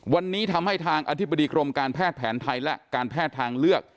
วันนี้ทำให้ทางอธิบดีกรมการแพทย์แผนไทยและการแพทย์ทางเลือก